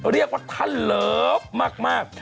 เรียกว่าท่านเลิฟมาก